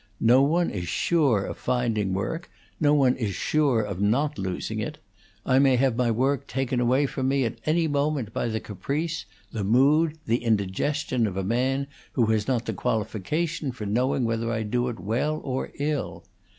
No one is sure of finding work; no one is sure of not losing it. I may have my work taken away from me at any moment by the caprice, the mood, the indigestion of a man who has not the qualification for knowing whether I do it well, or ill.